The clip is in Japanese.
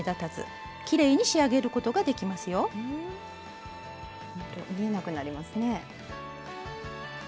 ほんと見えなくなりますね。